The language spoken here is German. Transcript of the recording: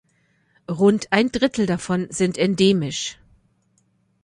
Rund ein Drittel davon sind endemisch.